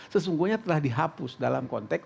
sesungguhnya telah dihapus dalam konteks